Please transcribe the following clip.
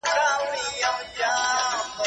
ایا انا د ماشوم له تکراري پوښتنو څخه ستړې شوې ده؟